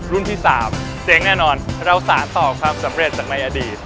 ที่๓เจ๊งแน่นอนเราสารต่อความสำเร็จจากในอดีต